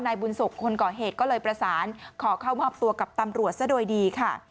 บุญศพคนก่อเหตุก็เลยประสานขอเข้ามอบตัวกับตำรวจซะโดยดีค่ะ